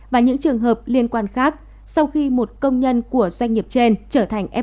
và những trường hợp liên quan khác sau khi một công nhân của doanh nghiệp trên trở thành em